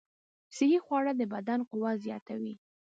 صحي خواړه د بدن قوت زیاتوي.